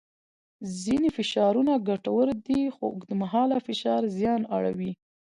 ځینې فشارونه ګټور دي خو اوږدمهاله فشار زیان اړوي.